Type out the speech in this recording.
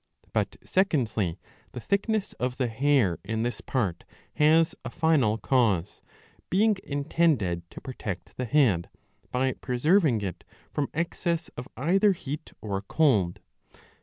^ But, secondly, the thickness of the hair in this part has a final cause, being intended to protect the head, by preserving it from 658b. 4 50 ii. 14 — ii. 16. excess of either heat or cold.